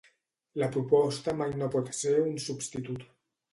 La proposta mai no pot ser un substitut.